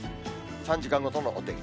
３時間ごとのお天気。